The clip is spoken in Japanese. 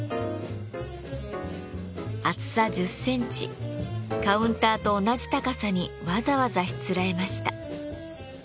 厚さ１０センチカウンターと同じ高さにわざわざしつらえました。